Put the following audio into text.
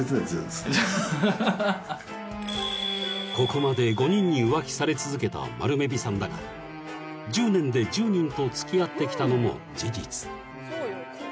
［ここまで５人に浮気され続けたまるめびさんだが１０年で１０人と付き合ってきたのも事実］